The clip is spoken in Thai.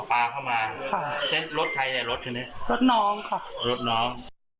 อ๋อปลาเข้ามาค่ะเช่นรถใครเนี้ยรถที่นี้รถน้องค่ะรถน้อง